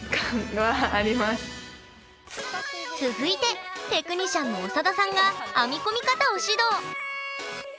続いてテクニシャンの長田さんが編み込み方を指導！